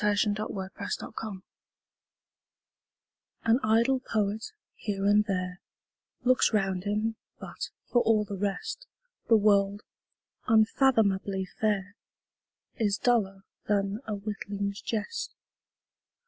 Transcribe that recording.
Coventry Patmore The Revelation AN idle poet, here and there, Looks round him, but, for all the rest, The world, unfathomably fair, Is duller than a witling's jest.